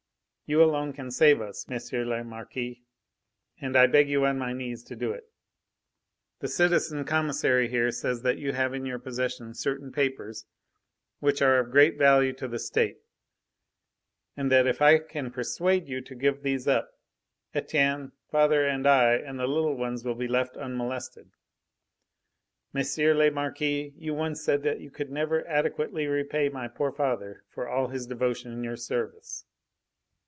You alone can save us, M. le Marquis; and I beg you on my knees to do it. The citizen Commissary here says that you have in your possession certain papers which are of great value to the State, and that if I can persuade you to give these up, Etienne, father and I and the little ones will be left unmolested. M. le Marquis, you once said that you could never adequately repay my poor father for all his devotion in your service.